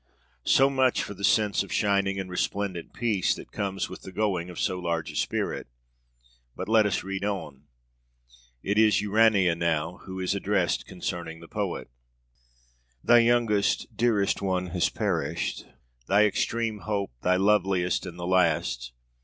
So much for the sense of shining and resplendent peace that comes with the going of so large a spirit! But let us read on. It is Urania now who is addressed concerning the poet: Thy youngest dearest one has perished; thy extreme hope, the loveliest and the last.